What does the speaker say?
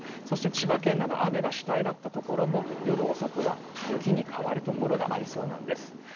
そして千葉県など雨が主体だったところも夜遅くは雪に変わるところがありそうなんです。